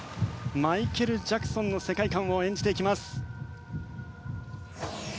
マイケル・ジャクソンの世界観を演じていきます。